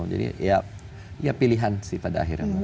jadi ya pilihan sih pada akhirnya